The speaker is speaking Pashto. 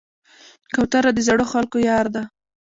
کوتره د زړو خلکو یار ده.